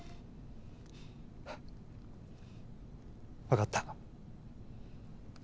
わかった。